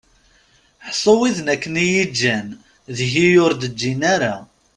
Ḥṣu widen akken i yi-ǧǧan deg-i ur d-ǧǧin ara!